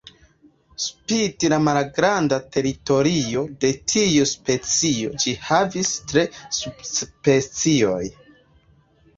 Spite la malgranda teritorio de tiu specio, ĝi havas tri subspeciojn.